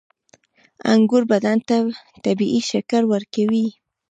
• انګور بدن ته طبیعي شکر ورکوي.